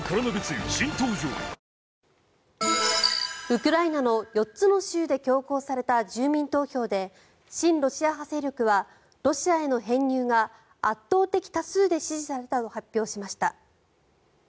ウクライナの４つの州で強行された住民投票で親ロシア派勢力はロシアへの編入が圧倒的多数で支持されたと発表しました。